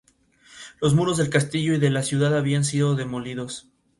Los muros del castillo y de la ciudad habían sido demolidos.